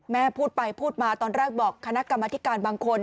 แม่พูดไปพูดมาตอนแรกบอกคณะกรรมธิการบางคน